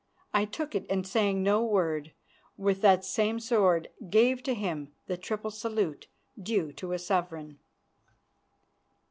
I took it, and, saying no word, with that same sword gave to him the triple salute due to a sovereign.